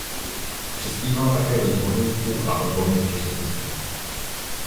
Přispíval také do sborníků a odborných časopisů.